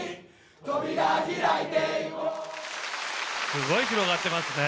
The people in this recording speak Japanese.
すごい広がってますね。